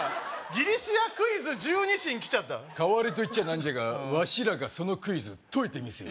ギリシアクイズ１２神来ちゃった代わりといっちゃ何じゃがわしらがそのクイズ解いてみせよう